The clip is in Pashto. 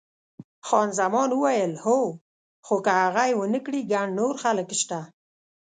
خان زمان وویل، هو، خو که هغه یې ونه کړي ګڼ نور خلک شته.